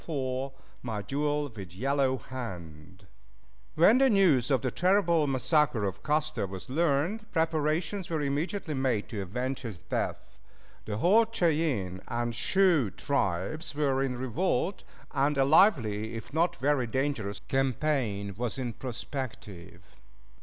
IV MY DUEL WITH YELLOW HAND When the news of the terrible massacre of Custer was learned, preparations were immediately made to avenge his death. The whole Cheyenne and Sioux tribes were in revolt, and a lively, if not very dangerous, campaign was in prospective.